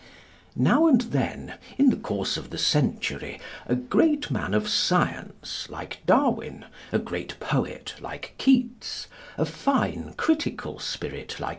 Now and then, in the course of the century, a great man of science, like Darwin; a great poet, like Keats; a fine critical spirit, like M.